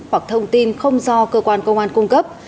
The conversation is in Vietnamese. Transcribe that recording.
hoặc thông tin không do cơ quan công an cung cấp